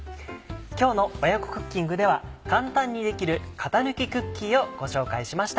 今日の親子クッキングでは簡単にできる「型抜きクッキー」をご紹介しました。